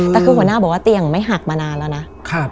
แต่คือหัวหน้าบอกว่าเตียงไม่หักมานานแล้วนะ